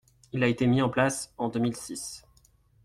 Il a été mis en place en deux mille six.